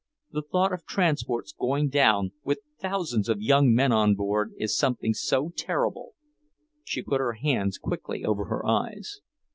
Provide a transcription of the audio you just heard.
The thought of transports going down with thousands of young men on board is something so terrible " she put her hands quickly over her eyes.